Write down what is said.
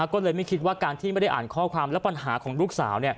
ก็เลยไม่คิดว่าการที่ไม่ได้อ่านข้อความและปัญหาของลูกสาว